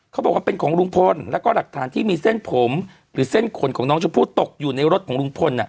เขาบอกว่าเป็นของลุงพลแล้วก็หลักฐานที่มีเส้นผมหรือเส้นขนของน้องชมพู่ตกอยู่ในรถของลุงพล